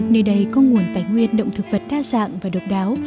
nơi đây có nguồn tài nguyên động thực vật đa dạng và độc đáo